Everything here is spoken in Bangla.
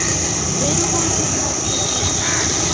বেরো বলছি ঘর থেকে।